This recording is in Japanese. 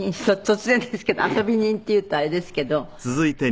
突然ですけど遊び人って言うとあれですけど随分。